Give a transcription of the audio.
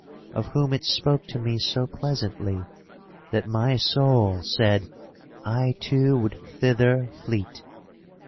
Of whom it spoke to me so pleasantly. That ray soul said, "I too would thither fleet."